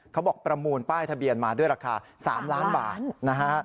เค้าบอกประมูลป้ายทะเบียนมาด้วยราคา๓ล้านบาท